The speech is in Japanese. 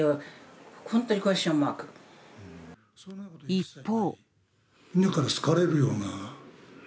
一方。